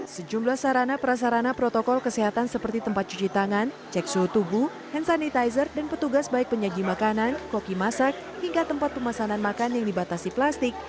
sejumlah sarana prasarana protokol kesehatan seperti tempat cuci tangan cek suhu tubuh hand sanitizer dan petugas baik penyaji makanan koki masak hingga tempat pemesanan makan yang dibatasi plastik